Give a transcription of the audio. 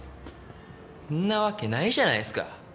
んなわけないじゃないっすか。